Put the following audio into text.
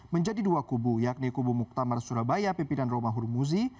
menjadi dua kubu yakni kubu muktamar surabaya pimpinan romahur muzi